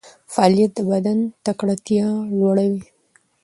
فعالیت د بدن تکړتیا لوړوي.